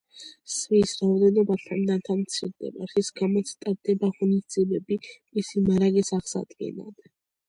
სვიის რაოდენობა თანდათან მცირდება, რის გამოც ტარდება ღონისძიებები მისი მარაგის აღსადგენად.